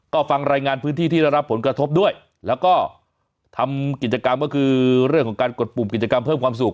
ก็ฟังรายงานพื้นที่ที่ได้รับผลกระทบด้วยแล้วก็ทำกิจกรรมก็คือเรื่องของการกดปุ่มกิจกรรมเพิ่มความสุข